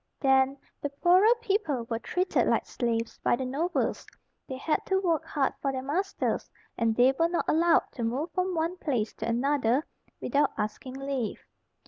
Then, the poorer people were treated like slaves by the nobles; they had to work hard for their masters, and they were not allowed to move from one place to another without asking leave.